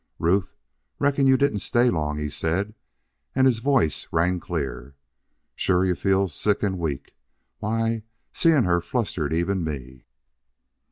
"Ruth reckon you didn't stay long," he said, and his voice rang clear. "Sure you feel sick and weak. Why, seeing her flustered even me!"